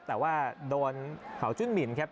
แต่ว่าโดนเขาจุ้นหมินครับ